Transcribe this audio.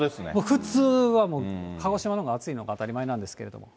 普通はもう、鹿児島のほうが暑いのが当たり前なんですけれども。